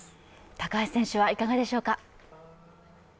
高橋選手はいかがでしょうか？